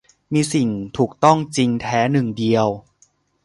มีสิ่งถูกต้องจริงแท้หนึ่งเดียว